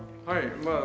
はい。